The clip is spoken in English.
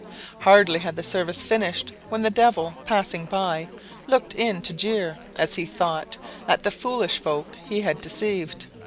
Hardly had the service finished when the Devil, passing by, looked in to jeer, as he thought, at the foolish folk he had deceived.